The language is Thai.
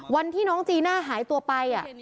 วันที่น้องจีน่าหายตัวไป